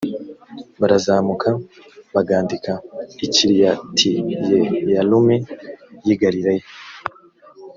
barazamuka bagandika i kiriyatiyeyarimu y’i galileya